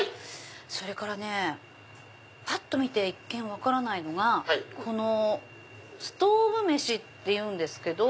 それからねぱっと見て一見分からないのがストウブ飯っていうんですけど。